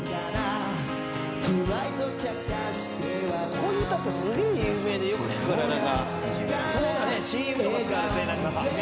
こういう歌ってすげえ有名でよく聴くからＣＭとか使われて。